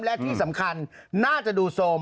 และที่สำคัญน่าจะดูโซม